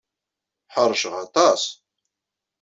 Ḥeṛceɣ aṭas.